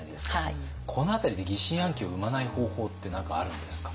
この辺りで疑心暗鬼を生まない方法って何かあるんですか？